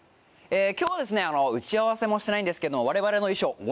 今日はですね打ち合わせもしてないんですけども我々の衣装。